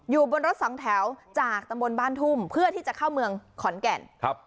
อยู่บนรถสองแถวจากตำบลบ้านทุ่มเพื่อที่จะเข้าเมืองขอนแก่นครับ